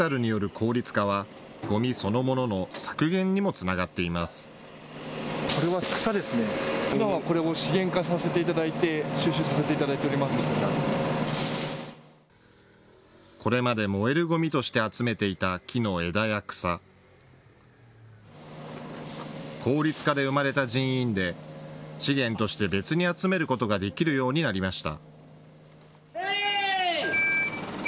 効率化で生まれた人員で資源として別に集めることができるようになりました。